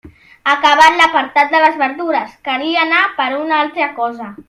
Acabat l'apartat de les verdures calia anar per una altra cosa.